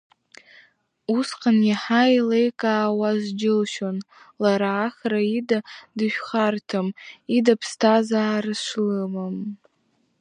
Усҟан иаҳа иеиликаауаз џьылшьон лара Ахра ида дышхәарҭам, ида ԥсҭазаара шлымам.